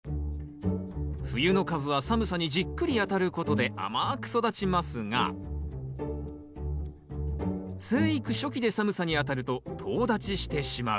冬のカブは寒さにじっくりあたることで甘く育ちますが生育初期で寒さにあたるととう立ちしてしまう。